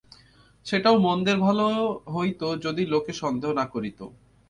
সেটাও মন্দের ভালো হইত যদি লোকে সন্দেহ না করিত।